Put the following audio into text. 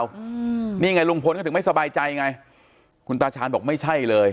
อืมนี่ไงลุงพลก็ถึงไม่สบายใจไงคุณตาชาญบอกไม่ใช่เลย